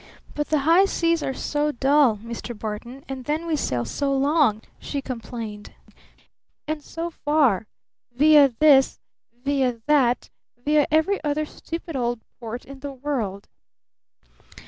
"But the high seas are so dull, Mr. Barton. And then we sail so long!" she complained. "And so far! via this, via that, via every other stupid old port in the world!